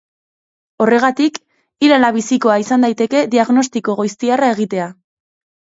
Horregatik, hil ala bizikoa izan daiteke diagnostiko goiztiarra egitea.